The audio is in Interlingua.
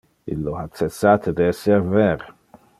Illo ha cessate de ser ver.